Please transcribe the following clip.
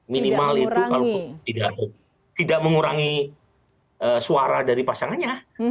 minimal itu kalau tidak mengurangi suara dari pasangannya